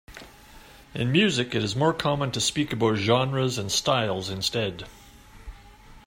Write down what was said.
In music it is more common to speak about genres and styles instead.